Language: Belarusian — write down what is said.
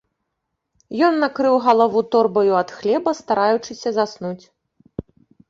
Ён накрыў галаву торбаю ад хлеба, стараючыся заснуць.